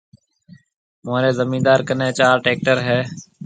مهوريَ زميندار ڪني چار ٽيڪٽر هيَ۔